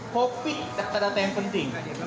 copy data data yang penting